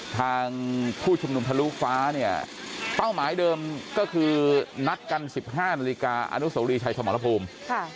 ทางผู้ชุมนุมทะลุฟ้าเนี่ยเป้าหมายเดิมก็คือนัดกัน๑๕นาฬิกาอนุโสรีชัยสมรภูมิ